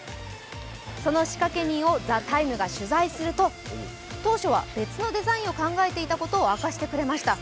その仕掛け人を「ＴＨＥＴＩＭＥ，」が取材すると、当初は別のデザインを考えていたことを明かしてくれました。